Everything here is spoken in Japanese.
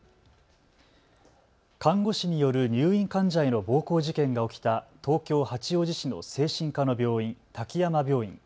看護師による入院患者への暴行事件が起きた東京八王子市の精神科の病院、滝山病院。